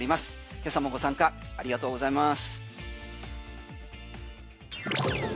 今朝もご参加ありがとうございます。